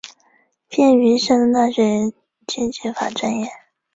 毕业于山东大学经济法专业。